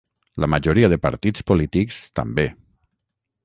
La majoria de partits polítics també.